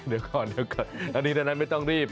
เดี๋ยวก่อนนันนี้นั้นไม่ต้องรีบ